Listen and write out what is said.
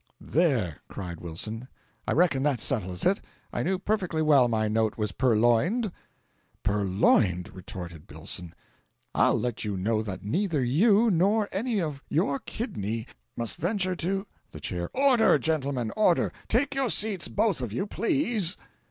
"There!" cried Wilson, "I reckon that settles it! I knew perfectly well my note was purloined." "Purloined!" retorted Billson. "I'll let you know that neither you nor any man of your kidney must venture to " The Chair: "Order, gentlemen, order! Take your seats, both of you, please."